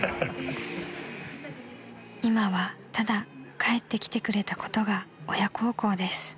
［今はただ帰ってきてくれたことが親孝行です］